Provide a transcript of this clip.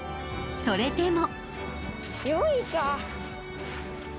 ［それでも］